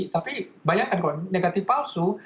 tapi banyak kan kalau negatif palsu